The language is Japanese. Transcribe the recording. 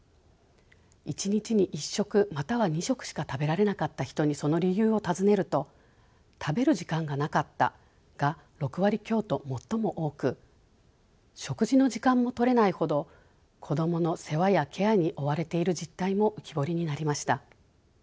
１日に１食または２食しか食べられなかった人にその理由を尋ねると「食べる時間がなかった」が６割強と最も多く食事の時間も取れないほど子どもの世話やケアに追われている実態も浮き彫りになりました。